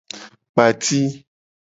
Kpa ati.